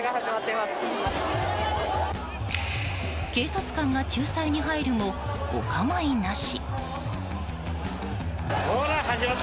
警察官が仲裁に入るもお構いなし。